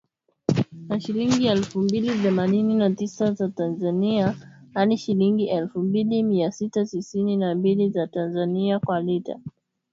Na shilingi elfu mbili themanini na tisa za Tanzania hadi shilingi elfu mbili mia sita tisini na mbili za Tanzania kwa lita